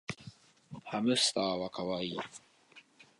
ハムスターはかわいい